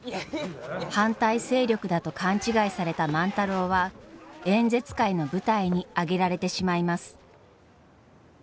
反対勢力だと勘違いされた万太郎は演説会の舞台に上げられてしまいます。